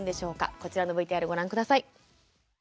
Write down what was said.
こちらのＶＴＲをご覧下さい。